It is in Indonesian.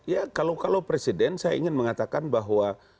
ya kalau presiden saya ingin mengatakan bahwa